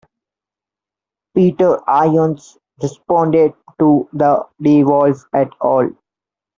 Peter Irons responded to the DeWolf et al.